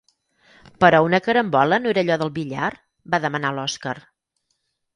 Però una carambola no era allò del billar? —va demanar l'Oskar.